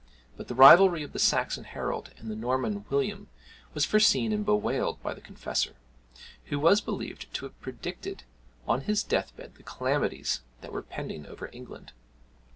But the rivalry of the Saxon Harold and the Norman William was foreseen and bewailed by the Confessor, who was believed to have predicted on his death bed the calamities that were pending over England.